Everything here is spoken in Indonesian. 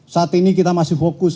saat ini kita masih fokus